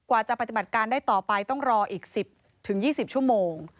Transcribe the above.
จะปฏิบัติการได้ต่อไปต้องรออีก๑๐๒๐ชั่วโมง